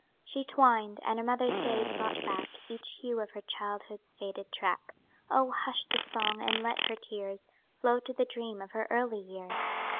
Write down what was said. She twin'd and her mother's gaze brought back Each hue of her childhood's faded track. Oh! hush the song, and let her tears Flow to the dream of her early years!